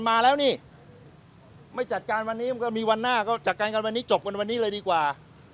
มาแล้วนี่ไม่จัดการวันนี้มันก็มีวันหน้าก็จัดการกันวันนี้จบกันวันนี้เลยดีกว่า